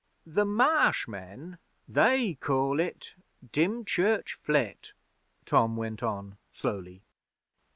'The Marsh men they call it Dymchurch Flit,' Tom went on slowly.